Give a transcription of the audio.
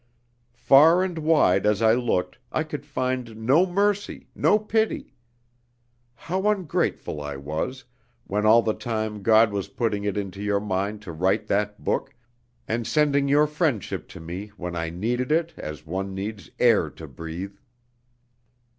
Far and wide as I looked, I could find no mercy, no pity. How ungrateful I was, when all the time God was putting it into your mind to write that book, and sending your friendship to me when I needed it as one needs air to breathe!